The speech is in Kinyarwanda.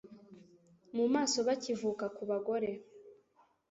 mu maso bakivuka Ku bagore